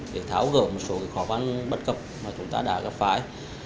để tháo gỡ một số khó khăn bất cập mà chúng ta đã gặp phải